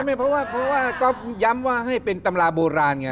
ไม่เพราะว่าก็ย้ำว่าให้เป็นตำราโบราณไง